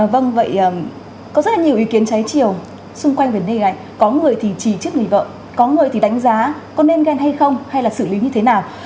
vâng vậy có rất là nhiều ý kiến trái chiều xung quanh vấn đề này có người thì chỉ trước người vợ có người thì đánh giá có nên ghen hay không hay là xử lý như thế nào